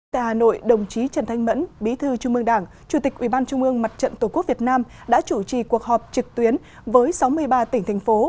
tại hà nội đồng chí trần thanh mẫn bí thư trung mương đảng chủ tịch ubnd mặt trận tổ quốc việt nam đã chủ trì cuộc họp trực tuyến với sáu mươi ba tỉnh thành phố